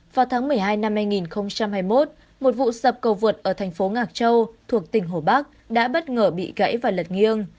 vào tháng một mươi hai năm hai nghìn hai mươi một một vụ sập cầu vượt ở thành phố ngạc châu thuộc tỉnh hồ bắc đã bất ngờ bị gãy và lật nghiêng